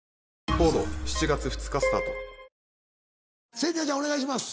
芹那ちゃんお願いします。